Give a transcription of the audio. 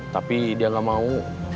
tapi dia gak mau